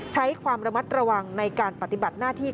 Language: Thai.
ใช้ความระมัดระวังในการปฏิบัติหน้าที่